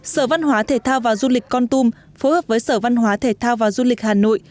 sở văn hóa thể thao và du lịch con tum phối hợp với sở văn hóa thể thao và du lịch hà nội